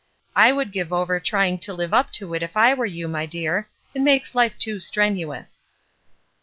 I would give over trying to live up to it if I were you, my dear; it makes life too strenuous."